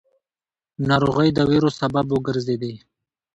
ناروغۍ د وېرو سبب وګرځېدې.